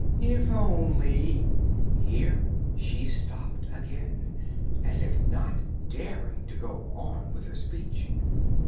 "If only " here she stopped again, as if not daring to go on with her speech.